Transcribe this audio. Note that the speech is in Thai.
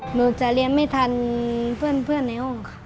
หนูจะเรียนไม่ทันเพื่อนในห้องค่ะ